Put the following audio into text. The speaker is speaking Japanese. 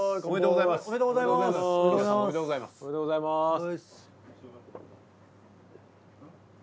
おめでとうございます。